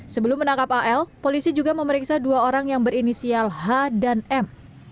sebelum menangkap al polisi juga memeriksa dua orang yang berinisial h dan m